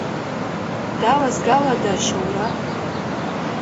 Далазгалада ашьоура?